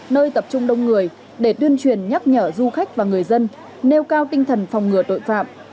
nơi tập trung đông người để tuyên truyền nhắc nhở du khách và người dân nêu cao tinh thần phòng ngừa tội phạm